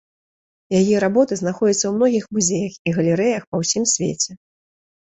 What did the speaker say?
Яе работы знаходзяцца ў многіх музеях і галерэях па ўсім свеце.